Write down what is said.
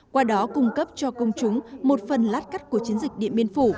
qua đó cung cấp cho công chúng một phần lát cắt của chiến dịch điện biên phủ